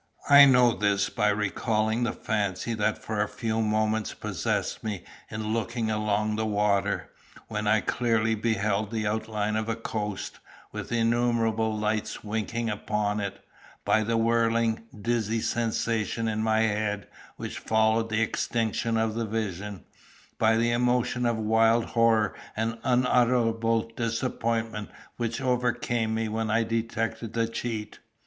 I know this by recalling the fancy that for a few moments possessed me in looking along the water, when I clearly beheld the outline of a coast, with innumerable lights winking upon it; by the whirling, dizzy sensation in my head which followed the extinction of the vision; by the emotion of wild horror and unutterable disappointment which overcame me when I detected the cheat.